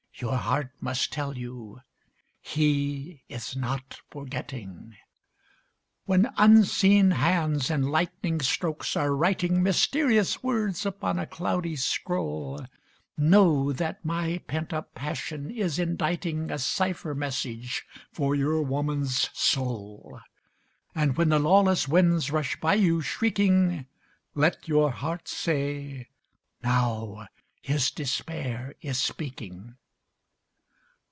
Your heart must tell you, "He is not forgetting." When unseen hands in lightning strokes are writing Mysterious words upon a cloudy scroll, Know that my pent up passion is inditing A cypher message for your woman's soul; And when the lawless winds rush by you shrieking, Let your heart say, "Now his despair is speaking."